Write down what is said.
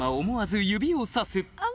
思わず指をさす